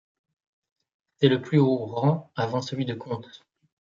C'est le plus haut rang avant celui de comte.